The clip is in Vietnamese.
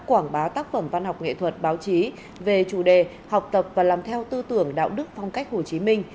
quảng bá tác phẩm văn học nghệ thuật báo chí về chủ đề học tập và làm theo tư tưởng đạo đức phong cách hồ chí minh